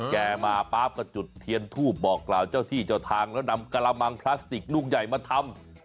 แกมาป๊าบก็จุดเทียนทูบบอกกล่าวเจ้าที่เจ้าทางแล้วนำกระมังพลาสติกลูกใหญ่มาทำ